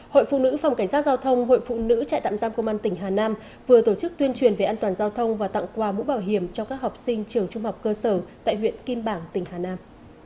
hội phụ nữ phòng cảnh sát giao thông hội phụ nữ trại tạm giam công an tỉnh hà nam vừa tổ chức tuyên truyền về an toàn giao thông và tặng quà mũ bảo hiểm cho các học sinh trường trung học cơ sở tại huyện kim bảng tỉnh hà nam